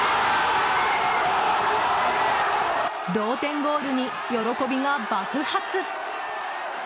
同点ゴールに喜びが爆発。